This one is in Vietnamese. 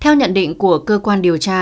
theo nhận định của cơ quan điều tra